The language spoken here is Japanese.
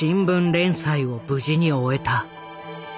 連載を無事に終えた。